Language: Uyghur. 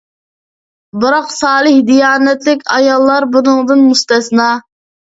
بىراق سالىھ، دىيانەتلىك ئاياللار بۇنىڭدىن مۇستەسنا.